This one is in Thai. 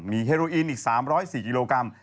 มีเฮโรอีนอีก๓๐๔กิโลกรัม